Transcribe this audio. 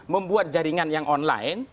membuat jaringan yang online